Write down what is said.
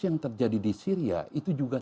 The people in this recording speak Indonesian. yang terjadi di syria itu juga